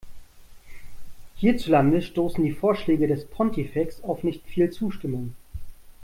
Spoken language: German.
Hierzulande stoßen die Vorschläge des Pontifex auf nicht viel Zustimmung.